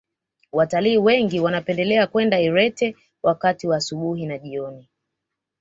watalii wengi wanapendelea kwenda irente wakati wa asubuhi na jioni